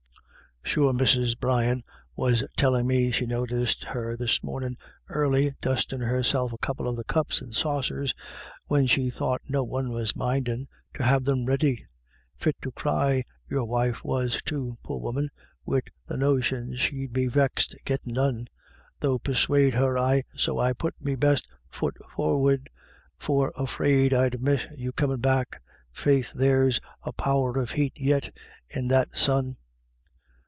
Sure Mrs. Brian was tellin* me she noticed her this mornin' early, dustin' herself a couple of the cups and saucers when she thought no one was mindin', to have them ready. Fit to cry your wife was, too, poor woman, wid the notion she'd be vexed gittin' none ; though persuade her I — So I put me best fut forward for 'fraid I'd miss you comin* back. Faith, there's a power of heat yit in that sun